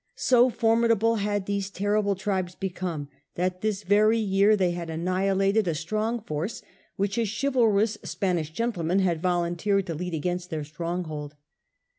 So formidable had these terrible tribes become, that this very year they had annihilated a strong force which a chivalrous Spanish gentleman had volunteered to lead against their stronghold.